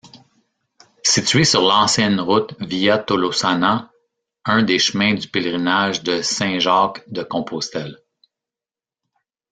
Située sur l'ancienne route Via Tolosana un des chemins du pèlerinage de Saint-Jacques-de-Compostelle.